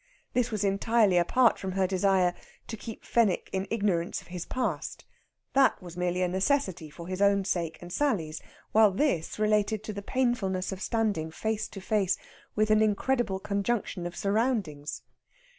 This was entirely apart from her desire to keep Fenwick in ignorance of his past; that was merely a necessity for his own sake and Sally's, while this related to the painfulness of standing face to face with an incredible conjunction of surroundings.